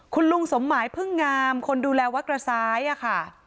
คุณลุงสมหมายพึ่งงามคนดูแลวัดกระซ้ายค่ะ